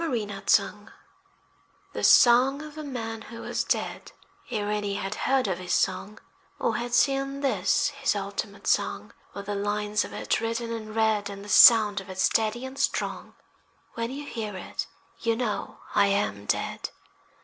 FELO DE SE The song of a man who was dead Ere any had heard of his song, Or had seen this his ultimate song, With the lines of it written in red, And the sound of it steady and strong. When you hear it, you know I am dead.